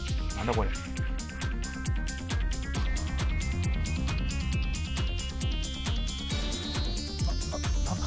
これ何だ？